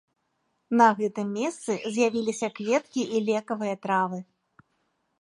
На гэтым месцы з'явіліся кветкі і лекавыя травы.